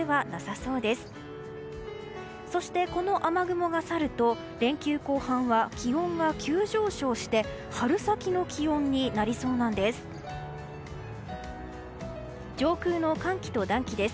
そして、この雨雲が去ると連休後半は気温が急上昇して春先の気温になりそうなんです。